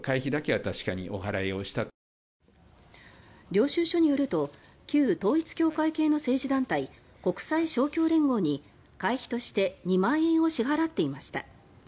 領収証には旧統一教会系の政治団体国際勝共連合に会費として２万円を支払っていました。